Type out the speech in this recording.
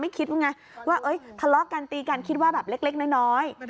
คิดไงว่าทะเลาะกันตีกันคิดว่าแบบเล็กน้อย